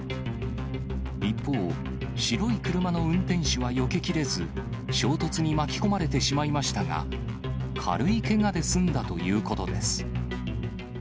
一方、白い車の運転手はよけきれず、衝突に巻き込まれてしまいましたが、軽いけがで済んだということです。